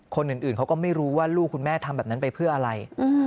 คนอื่นเขาก็ไม่รู้ว่าลูกคุณแม่ทำแบบนั้นไปเพื่ออะไร